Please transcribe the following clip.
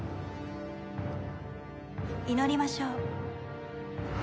祈りましょう。